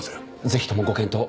ぜひともご検討